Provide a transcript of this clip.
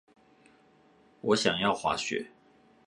我想要滑雪